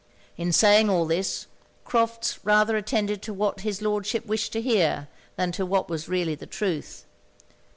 In saying all this, Crofts rather attended to what his Lordship wished to hear, than to what was really the truth.